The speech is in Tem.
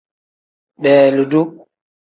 Beelidu.